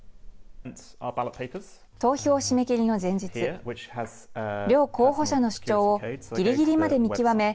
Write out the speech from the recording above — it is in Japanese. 投票締め切りの前日両候補者の主張をぎりぎりまで見極め